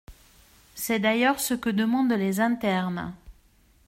C’est d’ailleurs ce que demandent les internes.